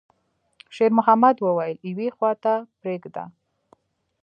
شېرمحمد وويل: «يوې خواته پرېږده.»